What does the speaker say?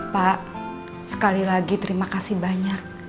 pak sekali lagi terima kasih banyak